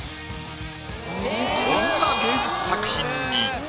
こんな芸術作品に。